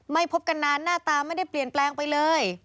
พบกันนานหน้าตาไม่ได้เปลี่ยนแปลงไปเลย